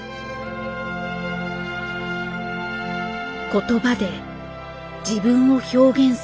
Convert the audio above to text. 言葉で自分を表現する。